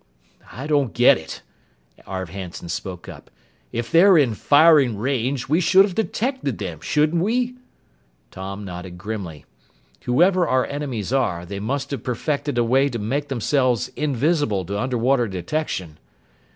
"I don't get it," Arv Hanson spoke up. "If they're in firing range, we should have detected them, shouldn't we?" Tom nodded grimly. "Whoever our enemies are, they must have perfected a way to make themselves invisible to underwater detection.